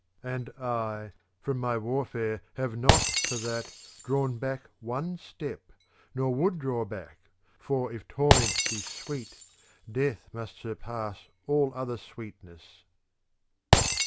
And I from my war fare have not, for that, drawn back one step, nor would draw back ; for if torment be sweet death must surpass all other sweetness.